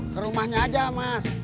ke rumahnya aja mas